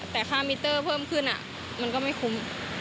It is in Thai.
แต่ค่ามิเตอร์เพิ่มขึ้นมันก็ไม่คุ้ม